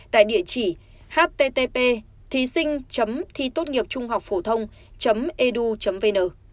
tại địa chỉ http thising thitotnghiệpchunghocphothong edu vn